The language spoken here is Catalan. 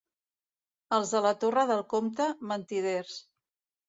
Els de la Torre del Comte, mentiders.